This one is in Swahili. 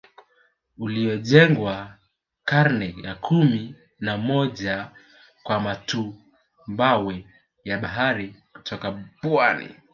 Uliojengwa karne ya kumi na moja kwa matumbawe ya baharini kutoka pwani